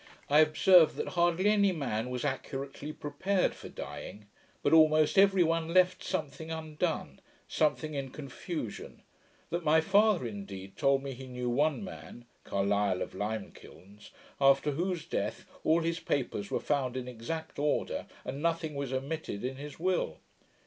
I observed, that hardly any man was accurately prepared for dying; but almost every one left something undone, something in confusion; that my father, indeed, told me he knew one man (Carlisle of Limekilns), after whose death all his papers were found in exact order; and nothing was omitted in his will.